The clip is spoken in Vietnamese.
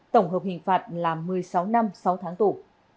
tổng hợp hình phạt là một mươi sáu năm sáu tháng tù